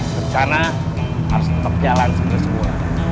rencana harus tetap jalan sendiri semua